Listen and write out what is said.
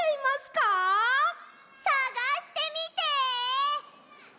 さがしてみて！